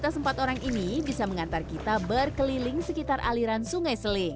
atas empat orang ini bisa mengantar kita berkeliling sekitar aliran sungai seling